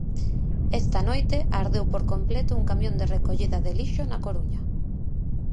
Esta noite ardeu por completo un camión de recollida de lixo na Coruña.